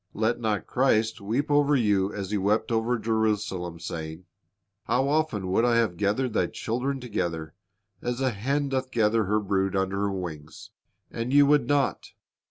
^ Let not Christ weep over you as He wept over Jerusalem, saying, "How often would I have gathered thy children together, as a hen doth gather her brood under her wings, and ye would not!